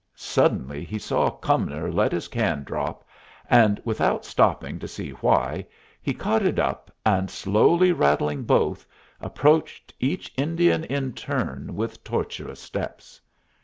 Suddenly he saw Cumnor let his can drop, and without stopping to see why, he caught it up, and, slowly rattling both, approached each Indian in turn with tortuous steps.